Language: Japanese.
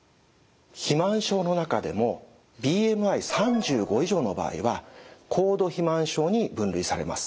肥満症の中でもＢＭＩ３５以上の場合は高度肥満症に分類されます。